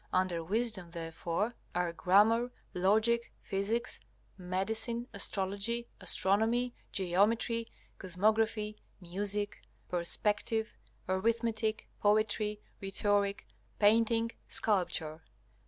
Under Wisdom therefore are Grammar, Logic, Physics, Medicine, Astrology, Astronomy, Geometry, Cosmography, Music, Perspective, Arithmetic, Poetry, Rhetoric, Painting, Sculpture.